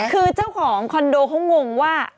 คือเจ้าของคอนโดเขางงว่า